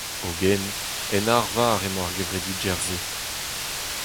Hogen, en arvar emañ ar gevredigezh-se.